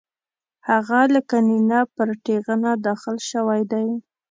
هغه لکه نېنه پر تېغنه داغل شوی دی.